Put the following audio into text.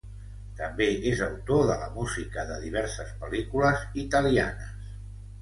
També és autor de la música de diverses pel·lícules italianes.